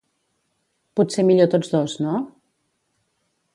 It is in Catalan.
Potser millor tots dos, no?